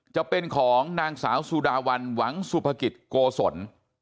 จะเป็นของนางสาวสุดาวันหวังสุภกิจโกศล